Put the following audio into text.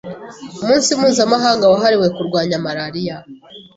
umunsi mpuzamakungu wahariwe kurwanya malaria.